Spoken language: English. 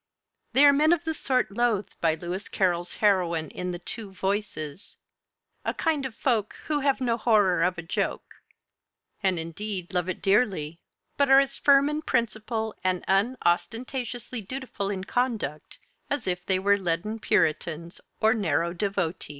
They are men of the sort loathed by Lewis Carroll's heroine in the 'Two Voices,' "a kind of folk Who have no horror of a joke," and indeed love it dearly, but are as firm in principle and unostentatiously dutiful in conduct as if they were leaden Puritans or narrow devotees.